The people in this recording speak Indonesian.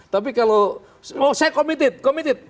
tapi kalau oh saya committed